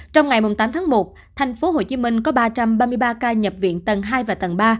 trong ngày tám tháng một thành phố hồ chí minh có ba trăm ba mươi ba ca nhập viện tầng hai và tầng ba